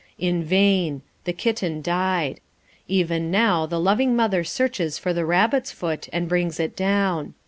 In vain; the kitten died. Even now the loving mother searches for the rabbit's foot, and brings it down."